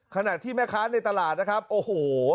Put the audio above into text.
ขณะที่แม่ค้าในตลาดนะครับโอ้โห